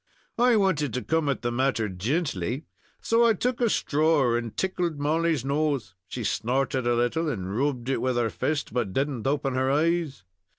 I wanted to come at the matter gintly, so I took a straw and tickled Molly's nose. She snorted a little, and rubbed it with her fist, but didn't open her eyes.